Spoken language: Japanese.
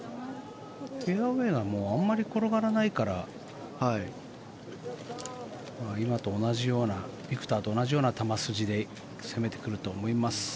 フェアウェーがあまり転がらないから今と同じようなビクターと同じような球筋で攻めてくると思います。